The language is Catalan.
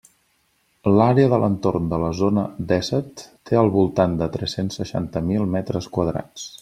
L'àrea de l'entorn de la Zona dèsset té al voltant de tres-cents seixanta mil metres quadrats.